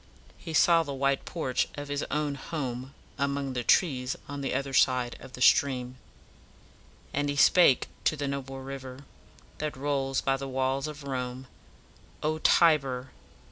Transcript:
He saw the white porch of his own home among the trees on the other side of the stream; "And he spake to the noble river That rolls by the walls of Rome: 'O Tiber!